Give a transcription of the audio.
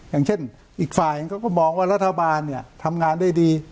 อย่างเช่นอีกฝ่ายก็บอกว่ารัฐบาลทำงานด้วยดี